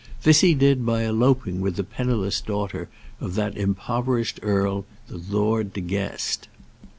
This he did by eloping with the penniless daughter of that impoverished earl, the Lord De Guest.